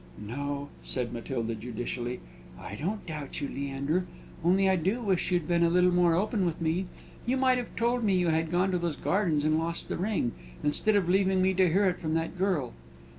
"No," said Matilda, judicially, "I don't doubt you, Leander, only I do wish you'd been a little more open with me; you might have told me you had gone to those gardens and lost the ring, instead of leaving me to hear it from that girl."